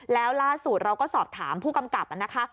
แล้วล่าสุดเราก็สอบถามผู้กำกับนะคะ